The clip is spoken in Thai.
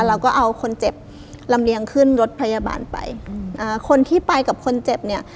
เราก็เอาคนเจ็บลำเลียงขึ้นรถพยาบาลไปอืมอ่าคนที่ไปกับคนเจ็บเนี่ย